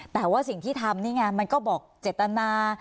แต่ว่าสิ่งที่ทำนี่ไงมันก็บอกเจตนา